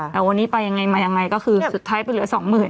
แต่วันนี้ไปยังไงก็คือสุดท้ายไปเหลือ๒๐๐๐๐